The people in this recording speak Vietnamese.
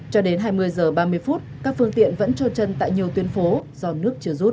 cho đến hai mươi h ba mươi phút các phương tiện vẫn cho chân tại nhiều tuyến phố do nước chưa rút